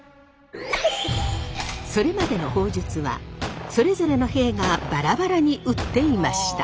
それまでの砲術はそれぞれの兵がバラバラに撃っていました。